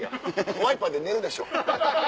ワイパーで寝るでしょ。